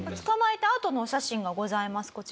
捕まえたあとのお写真がございます。